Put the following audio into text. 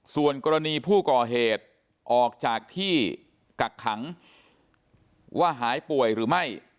ส่วนกรณีผู้ก่อเหตุออกจากที่กักขังว่าหายป่วยหรือไม่